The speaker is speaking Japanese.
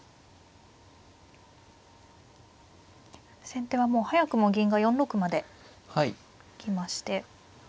先手はもう早くも銀が４六まで行きまして。